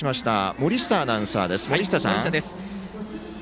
森下アナウンサーです。